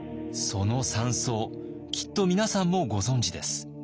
その山荘きっと皆さんもご存じです。